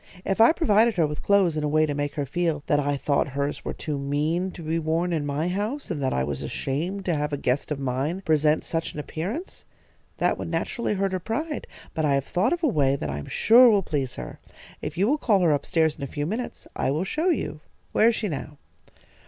If I provided her with clothes in a way to make her feel that I thought hers were too mean to be worn in my house, and that I was ashamed to have a guest of mine present such an appearance, that would naturally hurt her pride; but I have thought of a way that I am sure will please her. If you will call her up stairs in a few minutes, I will show you. Where is she now?"